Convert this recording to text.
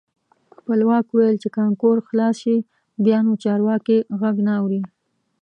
خپلواک ویل چې کانکور خلاص شي بیا نو چارواکي غږ نه اوري.